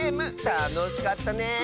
たのしかったね！